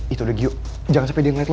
itu udah giyo jangan sampai dia ngeliat lo